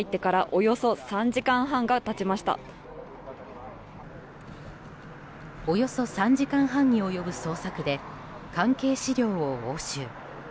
およそ３時間半に及ぶ捜索で関係資料を押収。